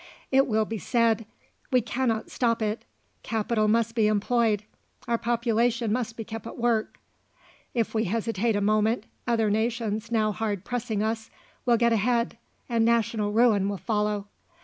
It will be said: "We cannot stop it; capital must be employed; our population must be kept at work; if we hesitate a moment, other nations now hard pressing us will get ahead, and national ruin will follow."